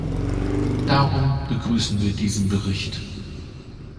Darum begrüßen wir diesen Bericht.